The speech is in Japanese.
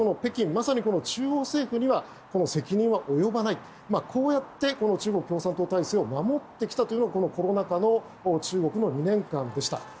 まさに中央政府には責任は及ばないこうやって中国共産党体制を守ってきたというのがコロナ禍の中国の２年間でした。